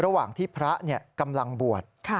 ระหว่างที่พระกำลังบวช